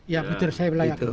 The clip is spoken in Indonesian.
ya betul saya belayak